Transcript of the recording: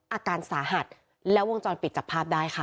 อาการสาหัสแล้ววงจรปิดจับภาพได้ค่ะ